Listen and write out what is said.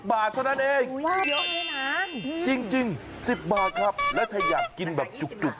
บาทเท่านั้นเองจริง๑๐บาทครับแล้วถ้าอยากกินแบบจุก